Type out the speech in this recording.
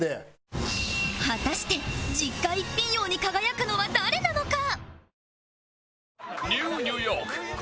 果たして実家一品王に輝くのは誰なのか？